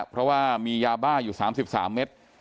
เพราะว่ามียาบ้าอยู่๓๓เม็ด